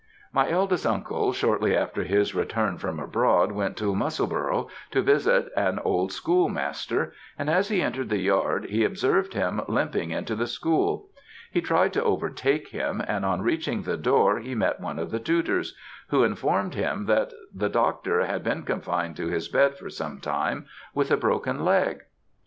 My eldest uncle shortly after his return from abroad went to Musselburgh to visit an old school master, and as he entered the yard he observed him limping into the school. He tried to overtake him, and on reaching the door he met one of the tutors, who informed him that the Dr. had been confined to his bed for some time with a broken leg.